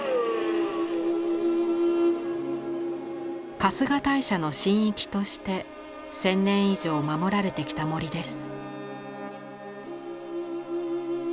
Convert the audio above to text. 春日大社の神域として千年以上守られてきた森です。